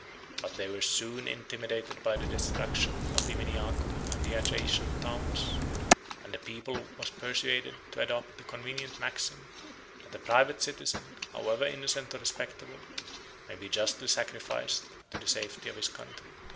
But they were soon intimidated by the destruction of Viminiacum and the adjacent towns; and the people was persuaded to adopt the convenient maxim, that a private citizen, however innocent or respectable, may be justly sacrificed to the safety of his country.